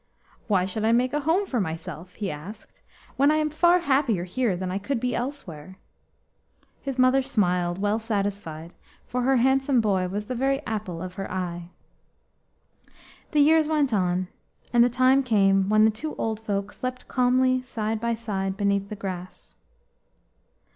"Why should I make a home for myself," he asked, "when I am far happier here than I could be elsewhere?" His mother smiled, well satisfied, for her handsome boy was the very apple of her eye. The years went on, and the time came when the two old folk slept calmly side by side beneath the grass.